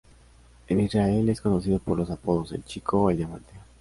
En Israel es conocido por los apodos "El chico" o "El diamante".